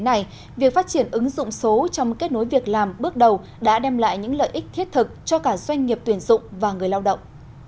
vì vậy việc phát triển ứng dụng số trong kết nối việc làm bước đầu đã đem lại những lợi ích thiết thực cho cả doanh nghiệp tuyển dụng và người lao động